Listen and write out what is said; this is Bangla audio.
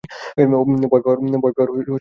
ভয় পাওয়ার কিছু নেই।